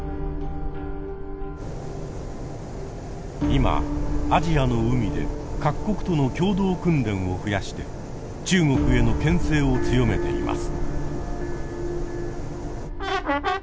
今アジアの海で各国との共同訓練を増やして中国への牽制を強めています。